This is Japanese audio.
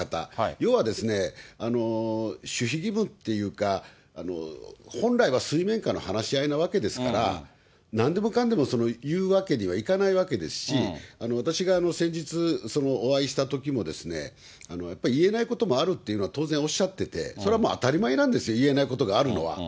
要はですね、守秘義務っていうか、本来は水面下の話し合いなわけですから、なんでもかんでも言うわけにはいかないわけですし、私が先日お会いしたときも、やっぱり言えないこともあるっていうのは、当然おっしゃってて、それはもう当たり前なんですよ、言えないことがあるのは。